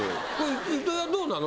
糸井はどうなの？